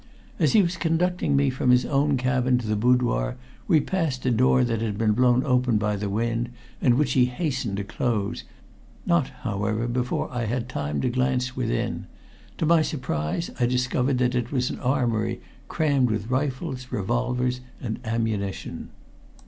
As he was conducting me from his own cabin to the boudoir we passed a door that had been blown open by the wind, and which he hastened to close, not, however, before I had time to glance within. To my surprise I discovered that it was an armory crammed with rifles, revolvers and ammunition.